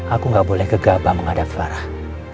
aku gak boleh gegabah menghadap farah